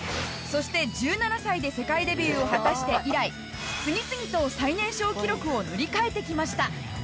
そして１７歳で世界デビューを果たして以来次々と最年少記録を塗り替えてきました